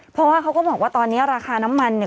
เพราะว่าเขาก็บอกว่าตอนนี้ราคาน้ำมันเนี่ย